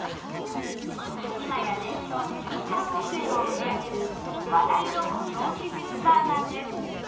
今や年商１３億円を売り上げる話題のご当地スーパーなんです